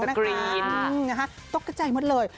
เป็นสกรีนตกกระใจหมดเลย